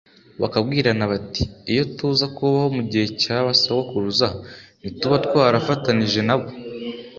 bakabwirana bati: Iyo tuza kubaho mu gihe cya ba sogokuruza ntituba twarafatanije na bo